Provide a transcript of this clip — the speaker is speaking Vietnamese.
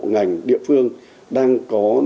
ngành địa phương đang có